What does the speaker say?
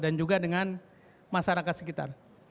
dan juga dengan masyarakat sekitar